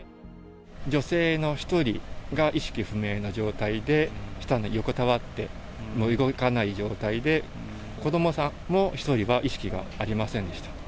女性の１人が意識不明の状態で、横たわって、もう動かない状態で、子どもさんも１人は意識がありませんでした。